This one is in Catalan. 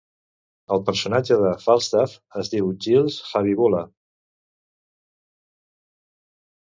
El personatge de Falstaff es diu Giles Habibula.